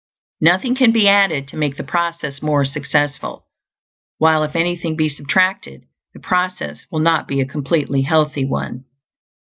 Nothing can be added to make the process more successful; while if anything be subtracted, the process will not be a completely healthy one.